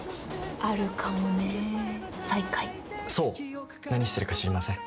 「あるかもね再会」「想何してるか知りません？」